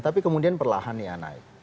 tapi kemudian perlahan dia naik